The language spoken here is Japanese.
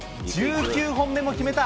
１９本目も決めた。